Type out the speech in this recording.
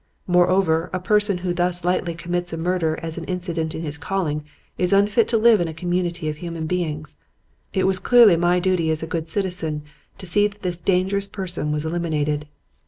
Moreover, a person who thus lightly commits murder as an incident in his calling is unfit to live in a community of human beings. It was clearly my duty as a good citizen to see that this dangerous person was eliminated.